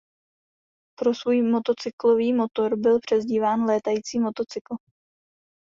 Pro svůj motocyklový motor byl přezdíván „Létající motocykl“.